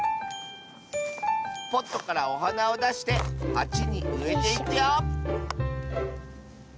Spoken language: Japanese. ポットからおはなをだしてはちにうえていくよ